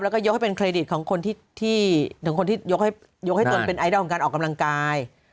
แล้วก็ยกให้เป็นเครดิตของคนที่ถึงคนที่ยกให้ตนเป็นไอดอลของการออกกำลังกาย